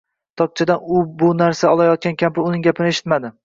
Tokchadan u-bu narsa olayotgan kampir uning gapini eshitmadi.